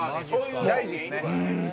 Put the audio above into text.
大事ですね。